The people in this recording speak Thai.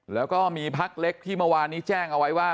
แล้วก็มีพักเล็กที่เมื่อวานนี้แจ้งเอาไว้ว่า